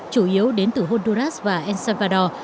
chủ yếu đến từ honduras và el salvador